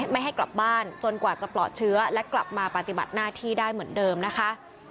ไม่ให้กลับบ้านจนกว่าจะปลอดเชื้อและกลับมาปฏิบัติหน้าที่ได้เหมือนเดิมนะคะ